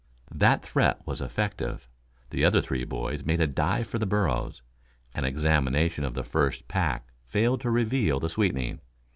That threat was effective. The other three boys made a dive for the burros. An examination of the first pack failed to reveal the sweetening.